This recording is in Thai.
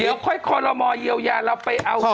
เดี๋ยวค่อยคอลโลมอเยียวยาเราไปเอา